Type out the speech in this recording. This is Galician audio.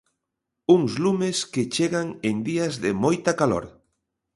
Uns lumes que chegan en días de moita calor.